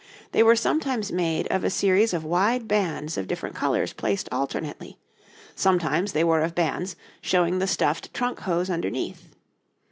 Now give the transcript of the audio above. They were sometimes made of a series of wide bands of different colours placed alternately; sometimes they were of bands, showing the stuffed trunk hose underneath.